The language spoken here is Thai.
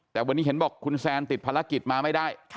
แต่วันนี้เห็นบอกคุณแซนติดภารกิจมาไม่ได้